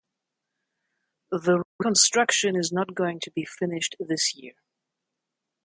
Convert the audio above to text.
The reconstruction is not going to be finished this year.